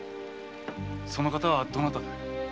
その方はどなたで？